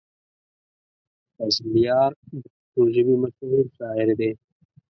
فضلیار د پښتو ژبې مشهور شاعر دی.